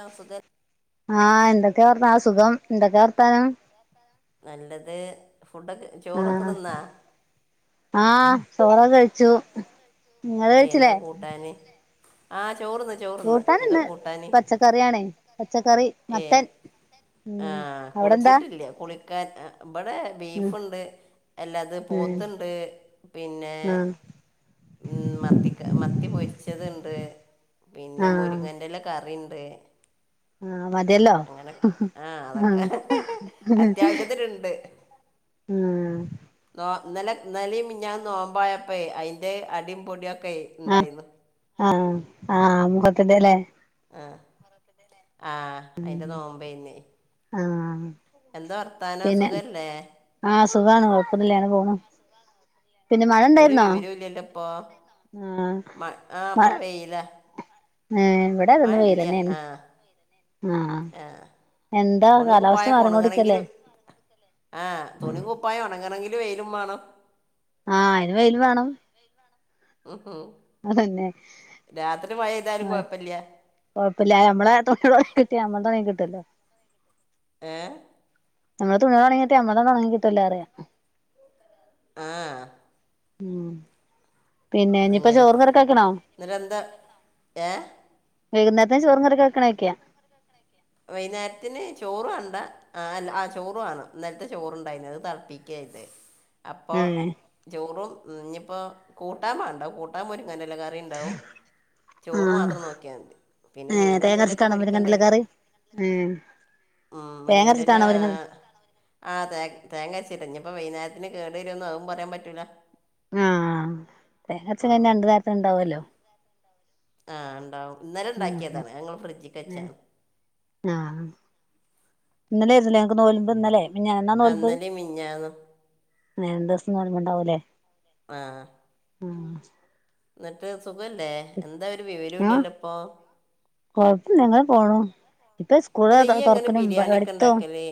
ആ സുഖം ആഹ് എന്തൊക്കേ വർത്താ ആഹ് സുഖം എന്തൊക്കേ വർത്താനം നല്ലത് ഫുഡൊക്കെ ചോറൊക്കെ ആഹ് തിന്നാ ആഹ് ചോറൊക്കെ കഴിച്ചു നിങ്ങള് ഏ എന്താ കഴിച്ചില്ലേ കൂട്ടാന് ആഹ് ചോ കൂട്ടാനിന്ന് പച്ചക്കറിയാണേ പച്ചക്കറി മത്തൻ ഉം ആഹ് അവിടെന്താ കുളിച്ചിട്ടില്ല്യ കുളിക്കാൻ അ ഇവടെ ഉം ബീഫ്ണ്ട് അല്ലാതെ ഉം പോത്ത്ണ്ട് പിന്നേ ആഹ് ഉം മത്തിക്ക മത്തി പൊരിച്ചത്ണ്ട് പിന്നെ ആഹ് മുരിങ്ങന്റെല കറിൺ ണ്ട് ആഹ് മതിയല്ലോ ആ അതൊക്കെ ആഹ് പിന്നെ അത്യാവശ്യത്തിനുണ്ട് ആഹ് നോ ഇന്നലെ ഇന്നലീം മിനിഞ്ഞാന്ന് നോമ്പായപ്പേ അയിന്റെ അടീം പൊടിയൊക്കേ ആഹ് ഇണ്ടായിര്ന്നു ആഹ് ആഹ് മുഹർത്തിൻ്റേല്ലേ ആഹ് ആഹ് അയിന്റ നോമ്പേയിന്നെ ആഹ് പിന്നെ സുഖല്ലേ ആഹ് സുഖാണ് കൊഴപ്പൊന്നുല്ല്യാനെ പോണു പിന്നെ മഴണ്ടായിരുന്നോ പ്പോ മഴ് ആഹ് മഴ ഇപ്പൊ വെയിലാ ഏഹ് ഇവടെ അതിന്ന് വെയിലന്നേണ് ആഹ് എന്ത് തുണിം കുപ്പായൊക്ക ഒണങ്ങണെങ്കില് ആഹ് തുണിം കുപ്പായൊണങ്ങ് ങ്ങണെങ്കില് വെയിലും വാണം ആഹ് അയിന് വെയില് വേണം ഉം ഹും അതന്നെ രാത്രി മയെയ്താലും കൊയപ്പല്ല്യ കൊഴപ്പില്ലാ ഞമ്മളെ തുണികളൊണങ്ങി കിട്ടിയ ഞമ്മള്ത് ഒണങ്ങി കിട്ടുവല്ലോ ഏഹ് നമ്മള തുണികളൊണങ്ങിട്ടിയ നമ്മളതൊന്നൊണങ്ങി കിട്ടുവല്ലറയാ ആഹ് പിന്നെ ഇനിപ്പ അങ്ങനെ ചോറും കറിയൊക്കെ വെക്കണോ എന്നിട്ട് എന്താ ഏഹ് വൈകുന്നേര്ത്തെ ചോറും കറിയൊക്കെ വെക്കണോ ഓയിക്ക്യാ വൈന്നേരത്തിന് ചോറ് വേണ്ട ആഹ് അല്ല ആ ചോറ് വേണം ഇന്നൽത്തെ ചോറ്ണ്ടായിന് അത് തെളപ്പിക്ക്യ ഇന്ന് അപ്പോ ഉം ചോറും ഉം ഇനിപ്പോ കൂട്ടാൻ വേണ്ട കൂട്ടാൻ മുരിങ്ങ് ങ്ങൻ്റെല കറിണ്ടാവും ചോറ് ആഹ് മാത്രം നോക്കായാതി പിന്നെ ഏഹ് മീനെന്തേലൊക്കെ തേങ്ങരച്ചിട്ടാണോ മുരിങ്ങന്റെല പൊരിക്കണ്ടേരും കറി ഉം ഉം മുരിങ്ങൻ്റെലാ തേങ്ങരച്ചിട്ടാണോ മുരിങ്ങ ആഹ് തേങ്ങ് തേങ്ങരച്ചിട്ട ഇഞ്ഞിപ് പ്പ വൈന്നേരത്തിന് കേടു വരോന്ന് അഉം പറയാൻ പറ്റൂല ങാ തേങ്ങരച്ച്ങ്ങാ ഉം. രണ്ട് നേരത്തിന്ണ്ടാവുവല്ലോ ആ ഇണ്ടാവും ഉം ഇന്നലെണ്ടാക്ക്യേതാണ് ഞങ്ങൾ ഫ്രിഡ്ജിക്കച്ചാ ഏഹ് ഇന്നലേര്നു ലേ ങ്ങക്ക് തോൽമ്പ് ഇന്നലെ ഞാ എന്നാ ആ നോൽമ്പ്ന്ത ഇന്നലെയും മിഞ്ഞാന്നും ഉണ്ടാവല്ലേ ആ ആ എന്നിട്ട് സുഖല്ലേ എന്താ ഒരു ആഹ് വിവരൊല്ല്യല്ലോപ്പൊ കൊഴപ്പല്ല ഇങ്ങനെ പോണു ഇപ്പൊ സ്കൂള അല്ല ഇയ്യ് എങ്ങനെ തുറക്കനും ബിരിയാണി ഒക്കെ പടിത്തോ ഉണ്ടാക്കല്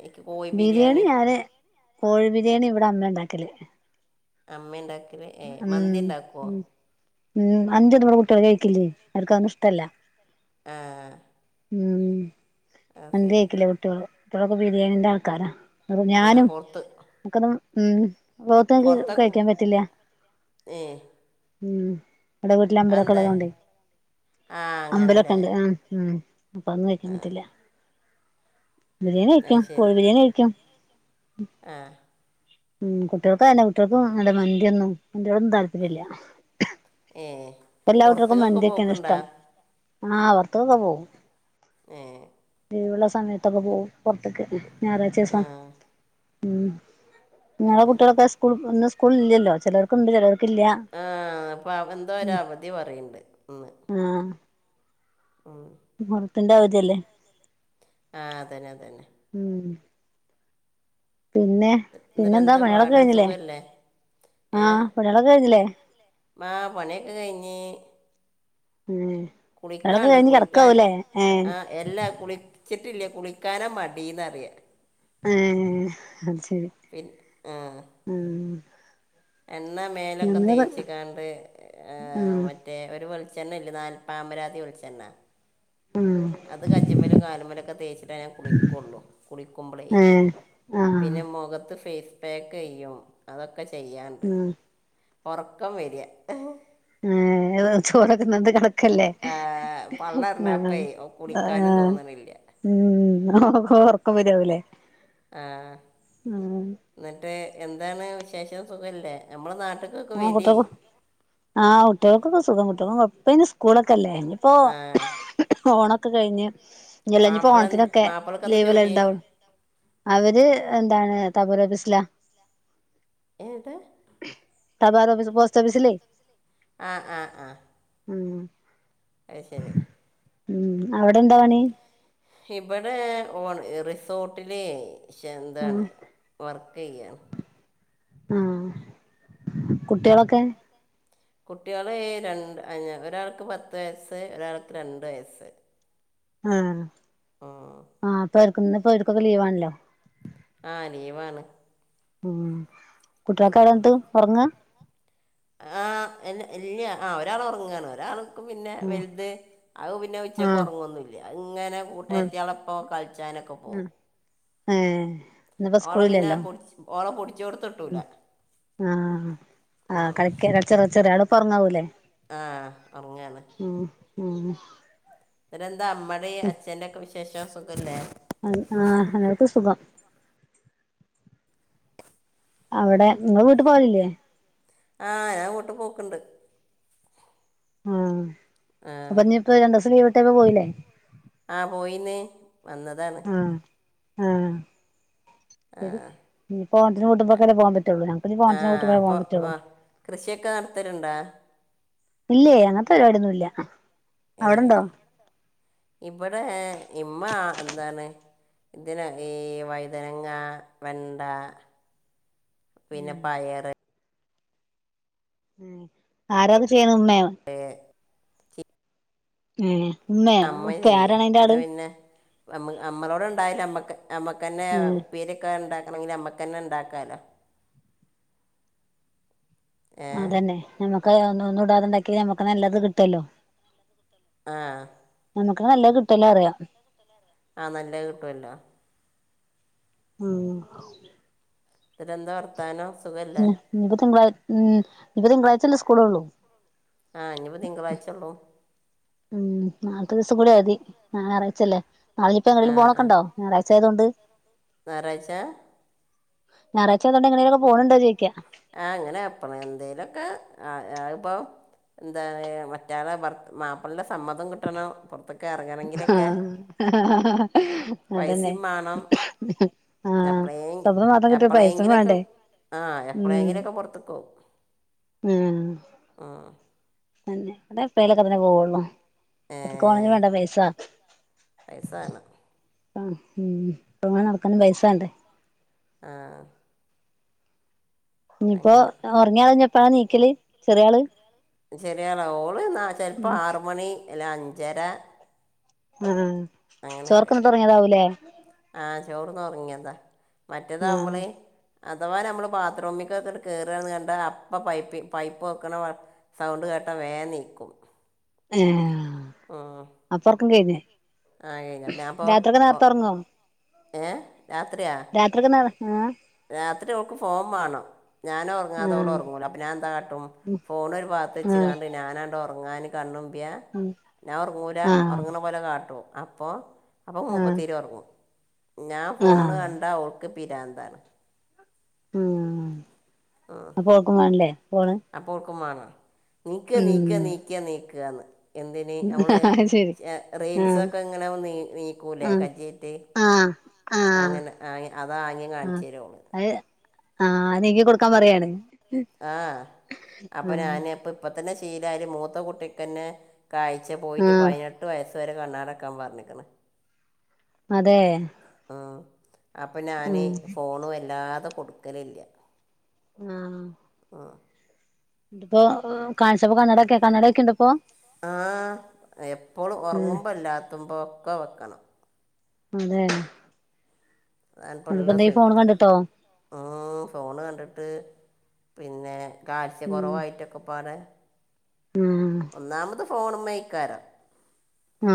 എനിക്ക് കോഴി ബിരിയാണി ഞാന് കോഴി ബിരിയാണി ഇവിടെ അമ്മണ്ടാക്കല് അമ്മെണ്ടാക്കല് ഏ മന്തി ഇണ്ടാക്കുവോ ഉം ഉം മന്ത്യൊന്നു ഇവ്ടെ കുട്ട്യാൾ കഴിക്കില്ലേ അവർക്കന്നും ഇഷ്ടല്ല ആ ഉം ശരി മന്തികക്കലേ കുട്ട്യോള് കുട്ട്യോളൊക്കെ ബിരിയാണിന്റെ ആൾക്കാരാ അ ആഹ് ഞാനും പൊറത്ത് നക്കൊന്നും ഉം ലോകത്ത്ക്ക് പൊറത്തൊക്കെ കഴിക്കാൻ പറ്റില്ല ഏ ഉം ഇവിടെ അതെന്താ വീട്ടിലമ്പലൊക്കെള്ളതോണ്ടേ ആഹ് അങ്ങനെല്ലേ അമ്പലൊക്കെണ്ട് ആ ഉം അപ്പ അന്നും കഴിക്കാൻ പറ്റില്ല ബിരിയാണികയിക്കാ അത് കോഴി ശരി ബിരിയാണികയിക്കാ ആഹ് ഉം കുട്ട്യോക്ക് അയെന്നെ കുട്ട്യോക്ക് എന്താ മന്തിയൊന്നും മന്തിയോടൊന്നും താല്പര്യല്ല ഏ ഇപ്പെല്ലാ കുട്ട്യള്ക്കും പൊറത്തേക്കൊക്കെ മന്തിയൊക്കേണ് പോക്കുണ്ടോ ഇഷ്ടം ആഹ് പൊറ്ത്ത്ക്കൊക്കേ പോവും ഏഹ് എഴ്വ്ള്ള സമയത്തൊക്ക പോവും പൊറ്ത്ത്ക്ക് ഞായറാഴ്ചേസം ആഹ് ഉം അത് ഇങ്ങളെ ശരി കുട്ട്യളൊക്കെ സ്കൂൾ ഇന്ന് സ്കൂള് ഇല്ലല്ലോ ചെലോല്ക്ക്ണ്ട് ചെലോ ആഹ് അപ്പൊ ആഹ് എന്തോരവധി പറയണ്ട് ഇന്ന് ആഹ് ഉം തിന്റെ അവധിയല്ലെ ആഹ് അതന്നെ അതന്നെ പിന്നെ എന്നിട്ട് പിന്നെന്താ എന്താ പണിയളൊക്കെ പാട് കഴിഞ്ഞില്ലേ സുഖല്ലേ ഏഹ് ആഹ് പണികളൊക്കെ കഴിഞ്ഞില്ലേ മാ പണിയൊക്ക കഴിഞ്ഞ് ഏഹ് പണികളൊക്കെ കുളിക്കാണ്ട് കഴിഞ്ഞ് കുളിക്കാൻ കിടക്കാവൂല്ലേ ഏഹ് ആഹ് എല്ലാ കുളി ച്ചിട്ടില്ല കുളിക്കാന മടീന്നർയാ ഏഹ് അ പിന് ആഹ് എണ്ണ മേലൊക്ക ഞങ്ങള് തേച്ച്കാണ്ട് ആഹ് മറ്റേ ഒരു വെള് ച്ചെണ്ണല്ലേ നാൽ‌പാമരാതി വെള്ച്ചെണ്ണ ആഹ് അത് കച്ച്മലും കാലുമലൊക്കെ തേച്ചിട്ടാ ഞാൻ കുളിക്കോള്ളു കുളിക്കുമ്പളേ ഏ ആഹ് പിന്നെ മൊഖത്ത് ഫേസ് പാക്കെയ്യും അതൊക്കെ ചെയ്യാണ്ട് ഉം ഒറക്കം വര്യാ ഏഹ് [unintelligible] ചോറക്കെ തിന്നത് കണക്കല്ലേ ആഹ് പള്ളറിഞ്ഞപ്പേ ആഹ് കുളിക്കാനും ആഹ് തോന്നണില്ല ഉം ഒ ഒ ഒർക്കം വരാവുലേ ആഹ് ന്ന്ട്ട് എന്താണ് വിശേഷം സുഖല്ലേ നമ്മളെ നാ ആ കുട്ട്യോൾക്ക് ആഹ് കുട്ട്യോൾക്കൊക്കെ സുഖം കുട്ട്യോൾക്കൊന്നും കൊഴ ഇപ്പയ്ന് സ്കൂളൊക്കെല്ലേ. ഇപ്പോ ആ ഓണൊക്കെ കഴിഞ്ഞ് ഇഞ്ഞല്ല ഇഞ്ഞ്പ്പൊ മാപ്പിള എന്ത് ഓണത്തിനൊക്കെ മാപ്പിളക്ക് എന്താ ലീവല്ലേ ജോലി ഇണ്ടാവൊളൂ അവര് എന്താണ് തബൂറ ബിസ്ലാ ഏത് തബാലോഫീസ് പോസ്‌റ്റാഫീസിലേ ആഹ് ആഹ് ആഹ് ഉം അയ് ശരി ഉം അവടെന്താ പണി? ഹിബടെ ഓൺ റിസോർട്ടില് ഹെന്താണ് ആഹ് വർ ക്കെയ്യാണ് ആഹ് കുട്ട്യോളൊക്കെ കുട്ട്യോള് രണ്ട് ഒരാൾക്ക് പത്ത് വയസ്സ് ഒരാൾക്ക് രണ്ട് വയസ്സ്. ആഹ് ഉം ക്ക്ന്ന്പ്പൊ ഓര്ക്കൊക്കെ ലീവാണല്ലോ ആഹ് ലീവാണ് ഉം കുട്ട്യോളെക്കെ എവടെ ഇന്ന്ട്ട് ഒറങ്ങാ ആഹ് ഇൽ ഇല്ല്യ ആ ഒരാൾ ഒറങ്ങാണ് ഒരാള് ക്ക് പിന്നെ ഉം വൽത് അത് പിന്നെ ആഹ് ഉച്ചക്കൊറങ്ങൊന്നുല്ല്യ അത് ഇങ്ങനെ ആഹ് കൂട്ടാര്ത്ത്യോളൊപ്പൊ കളിച്ചാന് നെക്കെ പോവും. ആഹ് ഏഹ് ഇന്നിപ്പോ ഓളെ പിന്നെ സ്കൂളില്ലല്ലോ പുടിച്ച് ഓള പുടി ഉം ആ ആ ഉം. കളിക്കാണ് ചെ ചെറിയ ആള് ഇപ്പം ഉങ്ങാവൂലേ ആ ഉറങ്ങാണ് ഉം പിന്നെ എന്താ അമ്മടെയും അച്ഛന്റെ ഒക്കെ വിശേഷം സുഖല്ലേ ആ അവർക്ക് സുഖം അവിടെ നിങ്ങള് വീട്ട് പോവലില്ലേ ആ ഞാൻ വീട്ട് പോക്കണ്ട് ആ ആ അപ്പൊ ഇഞ് ഇപ്പം രണ്ട് ദിവസം ലീവ് കിട്ടിയപ്പം പോയില്ലേ ആ പോയിന്നേ വന്നതാണ് ആ ശരി ഞ്പോഓണത്തിന് പൂട്ടുമ്പോക്കെ പോകാൻ പറ്റുള്ളൂ ഞങ്ങൾക്ക് ആ ഓണത്തിന് പൂട്ടുമ്പോഴേ പോകൻ അപ്പോൾ ആ പറ്റുള്ളൂ കൃഷിയൊക്കെ നടത്തണലുണ്ടോ ഇല്ല അങ്ങനത്തെ പരിപാടിയോന്നും ഇല്ല ഏ അവിടുണ്ടോ ഇവിടെ ഇമ്മ എന്താണ് ഇതിനന് ഈ വൈതനങ്ങ വെണ്ട പിന്നെ പയറ് ആരാണ് ചെയ്യുന്നത് ഉമ്മയോ ഉം ഉമ്മേ അമ്മ ഉപ്പ ചെയ്യുക ആരാണ് അതിന്റെ പിന്നെ ആള് പിന്നെ നമ്മ നമ്മളോട് ഉണ്ടായാല് നമ്മക്ക് തന്നെ ഉം ഉപ്പേരിക്കെ ഉണ്ട ക്കണംണെങ്കിൽ നമ്മക്ക്ന്നെ ഉണ്ടാക്കാലോ അത് തന്നെ ഞമ്മക്ക് ഒ ഒന്നും ഉണ്ടാക്കി ഞമ്മക്ക് നല്ലത് കിട്ടുല്ലോ ആ നമുക്ക് നല്ല കിട്ടിയല്ല അറിയാം ആ നല്ല കിട്ടുവല്ലോ ഉം പിന്നെ എന്താ വർത്താനം സുഖല്ലേ ഉം ഇനിപ്പോ തിങ്കളാ ഉം ഇനി തിങ്കളാഴ്ചല്ല സ്കൂള് ഉള്ളൂ ആ ഇനിപ്പോ തിങ്കളാഴ്ചയുള്ളൂ ഉം നാളത്തെ ദിവസം കൂടി മതി ഞായറാഴ്ചല്ല നളെപ്പം എവിടേക്കും പോണ്ക്കെണ്ടോ ഞായറാ ഴ്ച്ച ആയതോണ്ട് ഞായറാഴ്ച്ച ഞായറാഴ്ച്ചതൊണ്ട് എങ്ങനെക്കെ പോണോണ്ടോന്നു ചോയിക്ക അങ്ങനെ അപ്പ എന്തേലൊക്കെ ആഹ ആഇപ്പം എന്താണ്? മറ്റാളെ മാപ്പിളിന്റെ സമ്മതം കിട്ടണം പുറത്ത! ആ അതന്നെ! പൈസയും വേണം ആ എപ്പോഴേ സ്വപ്നംമാത്രം കിട്ടിയ പൈസയും എപ്പോഴെങ്കിലൊക്കെ വേണ്ടേ? ആ എപ്ളെങ്കിലും ഒക്കെ പുറത്തുക്ക് പോവും! ഉം എപ്പോഴെങ്കിലുമൊക്കെ പോകുള്ളു ഏ, പുറത്തു എങ്കിലും വേണ്ടേ പൈസ പൈസ വേണം ആ ഉ ഇങ്ങെനെ നടക്കാനും പൈസ വേണ്ടേ? ആ ഇനിയിപ്പോ അങ്ങനെ ഉറങ്ങിയ ആള്ഞെപ്പാളാ എണീക്കല്? ചെറിയാള്! ചെറിയആള് ഓള് എന്നാ ചിലപ്പോ ഉം ആറ് മണി അല്ലെ അഞ്ചര! ആ ചോറ് ഒക്കെ അങ്ങനെയൊക്കെ തിന്നിട്ട് ഉറങ്ങിയതാവൂല്ലേ ആ ചോർന്ന് ഉറങ്ങിയതാ! മറ്റേതാവുമ്പോളേ അഥവാ നമ്മള് ബാത്റൂമിക്കൊക്കെ് കേറുകാന്ന് കണ്ടാ അപ്പ പൈപ്പ് പൈപ്പ് വെക്കണ സൗണ്ട്കേട്ടാൽ അ പ്പം വേ നീക്കും. ആ ഉം. അപ്പം ഉറക്കും കഴിഞ്ഞ? ആ കഴിഞ്ഞു ഞാൻ ഇപ്പോം ഓർ ഏ രാത്രിയാ രാത്രിക്കെന്താണ്? രാത്രി ഓക്ക് ഫോൺ മാണം. ഞാനൊറങ്ങാതെ ആഹ് ഓളോറങ്ങൂലാ. അപ്പ ഞാനെന്താ കാട്ടും ഫോൺ വരുമ്പ ത്ത് ആഹ് ആഹ് വെച്ചിക്കാണ്ട് ഞാനാങ്ങട് ഒറ ഒറങ്ങാന് കണ്ണുമ്പ്യാ ഉം ഞാൻ ഒറങ്ങൂല. ആഹ് ഒറങ്ങണ പോലെ കാട്ടും. അപ്പോ? അപ്പോ ആഹ് മുപ്പത്ത്യാരും ഒറങ്ങും. ഞാൻ ഫോണ് ആഹ് കണ്ട ഓൾക്ക് പിരാന്താണ്. ഉം അപ്പ ഓൾക്കും വേണല്ലേ ഫോണ്? നീക്കാ നീക്കാ ഉം നീക്കാ നീക്കാന്ന് എന്തിന് നമ്മള് അത് ശരി ഏ ആഹ് റീൽസൊക്കെ ഇങ്ങനെ ഓൻ നീ നീക്കൂലേ ആഹ് കജ്ജ്യേയിട്ട്. ആഹ് ആഹ് അങ്ങനെ ആ അതാ ആംഗ്യം കാണിച്ചരോ. ആ അത് നീക്കി കൊടുക്കാൻ പറയാണ്. ആ അപ്പ ആഹ് ഞാന് ഇപ്പ ഇപ്പതന്നെ ശീലായി. മൂത്ത കുട്ടിക്കന്നെ കാഴ്ച പോയിട്ട് ആഹ് പതിനെട്ട് വയസ് വരെ കണ്ണാടവെക്കാൻ പറഞ്ഞിക്കണ്. അതേ മ് അപ്പ ഞാന് ഫോണ് വല്ലാതെ കൊടുക്കലില്ല. ആ ബ! ന്ന്ട്ട്പ്പോ കാഴ്ചയ്ക്ക് കണ്ണട വെക്കാ? കണ്ണട വെക്കുണ്ടോ ഇപ്പോ? ആഹ് എപ്പോളും ഉം ഒറങ്ങുമ്പോ അല്ലാത്തുമ്പോ ഒക്കെ വെക്കണം. അതേ അതാണ്പ്പോള്ള സുയിപ്പ്. ഉം ഫോണ് കണ്ടിട്ട് പിന്നെ കാൽസ്യ ഉം കുറവായിട്ടൊക്കപ്പാടെ ഉം ഫോണുംമ്മേയ്ക്കാലോ ആ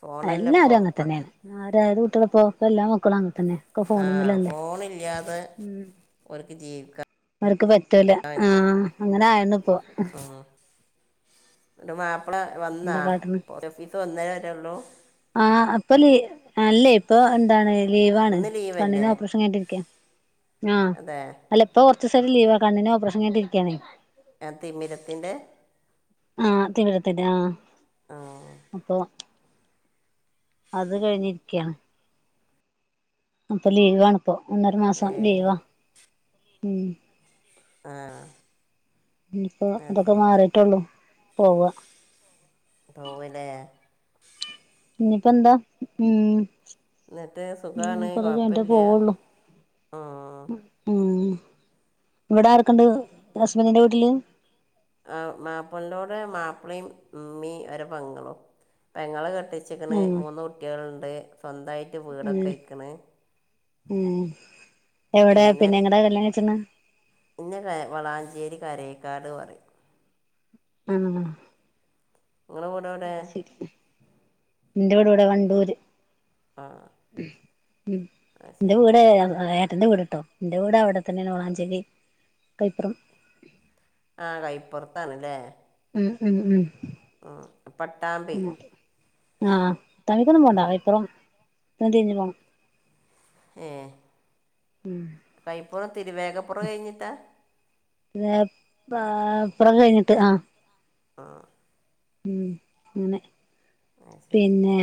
ഫോണല്ല എല്ലാരും ഇപ്പോൾ അങ്ങത്തന്നെയാണ്. അതായത് ത് പോക്കെല്ലാം [unintelligible] ആ ഫോൺ ഇല്ലാതെ ഉം ഓര്ക്ക് ജീവിക്കാ അവർക്ക് പറ്റൂല. ആ അങ്ങനെ ആയണ്ണുപ്പോ അന്റെ മാപ്പള വന്നാ? പോസ്റ്റ് ഓഫീസ് വന്നേ വരേള്ളൂ? ആ ആ ഇപ്പോ ലീ അല്ലേ ഇപ്പോ എന്താണ് ലീവാണ്. ഇന്ന് കണ്ണ്ന് ലീവല്ലേ ഓപ്പറേഷൻ കഴ്ഞ്ഞിട്ട് ഇരിക്കാ ആ അതെ അല്ല ഇപ്പ കൊറച്ചൂസായിട്ട് ലീവാ കണ്ണ്ന് ഓപ്പറേഷൻ കഴ്ഞ്ഞ്ട്ടിരിക്കാണേ ആ തിമിരത്തിൻ്റെ? ആ തിമിരത്തിൻ്റെ ആ ആ അപ്പോ അത് കഴിഞ്ഞിരിക്കാണ് അപ്പോ ലീവ്വാണിപ്പോ. ഒന്നരമാസം ഏ ലീവാ. ഉം ആ ഇനീപ്പോ ആ അതൊക്കെ ശരി മാറിട്ടേള്ളു പോവ്വാ പോവ്വ ല്ലേ? ഇഞ്ഞിപ്പ എന്താ? ഉം ന്നിട്ട് സുഖാണ് ഇനിയിപ്പോ അത് കഴിഞ്ഞിട്ടേ കൊഴപ്പല്ല്യാ. പോവുള്ളൂ ഊം ഇവടെ ആർക്കെണ്ട് ഹസ്ബൻ്റിൻ്റെ വീട്ടില്? ആ മാപ്പള്ളോടെ മാപ്പളേം ഉമ്മിം, ഓര്ടെ പെങ്ങളും. പെങ്ങളെ കെ ച്ച്ക്ക്ണ് ആഹ് മൂന്നു കുട്ട്യാള്ണ്ട് സ്വന്തായിട്ട് അങ്ങനെ വീടൊക്കെ ആയിക്ക്ണ്. ഉം എവിടെ പിന്നെ എങ്ങടാ കല്യാണം കഴിച്ചേക്കണെ ഇന്നെ ക വളാഞ്ചേരി കരേക്കാട് പറയും ആഹ് ങ്ങളെ വീടേവ്ടെ? ൻ്റെ വീട്വ്ടെ വണ്ടൂര് ആ ഉം ആ ന്റെ ശരി വീട് എർ എ ന്റെ വീടിട്ടോ ന്റെ വീടാവിടെത്തന്നെ ആണ്. വളാംഞ്ചേരി കൈപ്പറം ആഹ് കൈപ്പൊറത്താണ് ലേ ഉം ഉം ഉം ആഹ് പട്ടാമ്പി ആഹ് അത്താണിക്കൊന്നും പോണ്ട. അയ്പ്പുറം തിരിഞ്ഞ് പോണം. ഏഹ് കൈപ്പുറം തിരുവേഗപ്പുറം കയിഞ്ഞിട്ടാ. ന്നെ പാ പുറം കഴിഞ്ഞിട്ട് ആഹ്. ആഹ് ഉം ങ്ങനെ. ആ ശരി പിന്നെ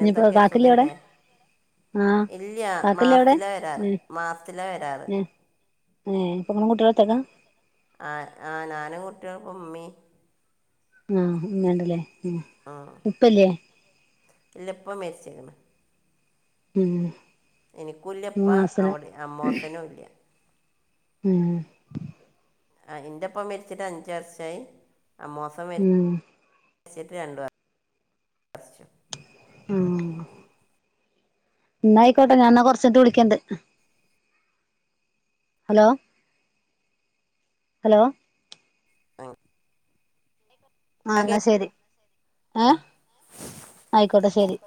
ഇഞിപ്പോ കാക്കല്ലേ അവ്ടെ? ഇല്ല്യ മാസ്ത്തിലാ വരാറ് ഏഹ് മാസ്ത്തില വരാറ്. ഏഹ് ഏഹ്. ഇപ്പൊ ഇങ്ങളും കുട്ടിയേളും ഒറ്റക്കാ? ആഹ് ആഹ് നാനും കുട്ടിയേളും ഇപ്പ മ്മി. ആഹ് ഇമ്മണ്ട് ലേ. ആഹ് ഉപ്പല്ലേ ഇല്ല ഇപ്പ മരിച്ക്ണ്. ഊം ഇനിക്കൂല്ല്യുപ്പാ. അവടിം അമ്മോസനും ഇല്ല്യ. ഊം ആഹ് എന്റെപ്പ മരിച്ചിട്ട് അഞ്ച് വർഷായി. അമ്മോസൻ മര് ഉം ര്ച്ചിട്ട് രണ്ട് വ ർഷം ആഹ് ഇന്നായിക്കോട്ടെ. ഞാ ന്നാ കൊറച്ചയ്ഞ്ഞ്ട്ട് വിളിക്കണ്ട്. ഹലോ ഹലോ [unintelligible] ആ, ആഹ് ന്നാ കേ- ശെരി. ആ ഏഹ് ആയിക്കോട്ടെ ശെരി.